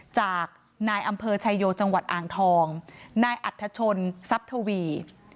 จากนายอำเภอชายโยจังหวัดอ่างทองนายอัธชนทรัพย์ทวี